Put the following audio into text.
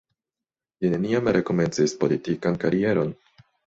Li neniam rekomencis politikan karieron.